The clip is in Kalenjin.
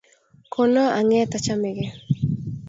Kona ang’eet achamege